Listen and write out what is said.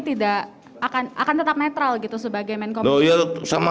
kita akan tetap netral gitu sebagai menkominfo